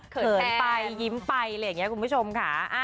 เขินไปยิ้มไปอะไรอย่างนี้คุณผู้ชมค่ะ